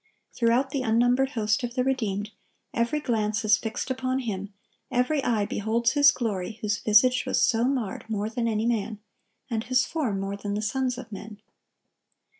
Throughout the unnumbered host of the redeemed, every glance is fixed upon Him, every eye beholds His glory whose "visage was so marred more than any man, and His form more than the sons of men."